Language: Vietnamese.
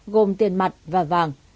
gồm tiền mặt và vàng